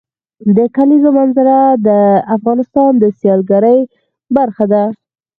د کلیزو منظره د افغانستان د سیلګرۍ برخه ده.